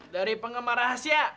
dari penggemar rahasia